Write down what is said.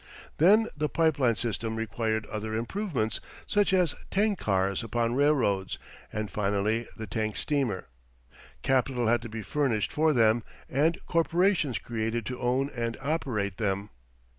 Then the pipe line system required other improvements, such as tank cars upon railroads, and finally the tank steamer. Capital had to be furnished for them and corporations created to own and operate them.